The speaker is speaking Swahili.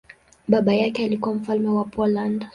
Baba yake alikuwa mfalme wa Poland.